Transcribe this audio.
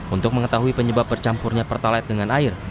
untuk mengetahui penyebab bercampurnya pertalite dengan air